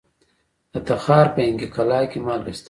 د تخار په ینګي قلعه کې مالګه شته.